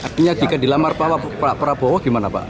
artinya jika dilamar pak prabowo gimana pak